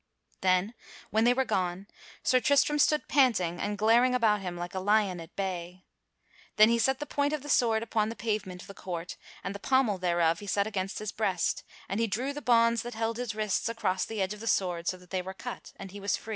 Then, when they were gone, Sir Tristram stood panting and glaring about him like a lion at bay. Then he set the point of his sword upon the pavement of the court and the pommel thereof he set against his breast, and he drew the bonds that held his wrists across the edge of the sword so that they were cut and he was free.